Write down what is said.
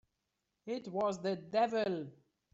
It was the devil!